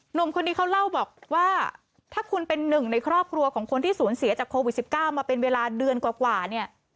หนุ่มคนนี้เขาเล่าบอกว่าถ้าคุณเป็นหนึ่งในครอบครัวของคนที่สูญเสียจากโควิด๑๙มาเป็นเวลาเดือนกว่าเนี่ย